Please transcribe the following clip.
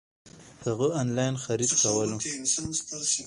هغه انلاين خريد کولو